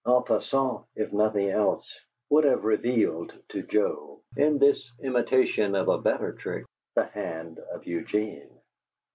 "En passant," if nothing else, would have revealed to Joe, in this imitation of a better trick, the hand of Eugene.